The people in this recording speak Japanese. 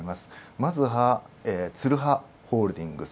まずは、ツルハホールディングス。